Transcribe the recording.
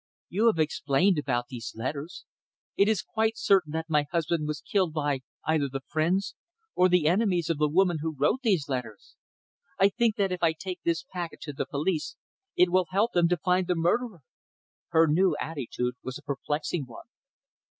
You have explained about these letters. It is quite certain that my husband was killed by either the friends or the enemies of the woman who wrote these letters. I think that if I take this packet to the police it will help them to find the murderer!" Her new attitude was a perplexing one.